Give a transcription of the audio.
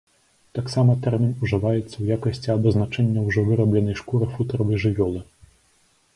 Таксама тэрмін ужываецца ў якасці абазначэння ўжо вырабленай шкуры футравай жывёлы.